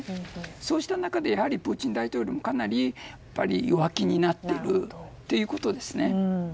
そうした中でプーチン大統領も、かなり弱気になっているということです。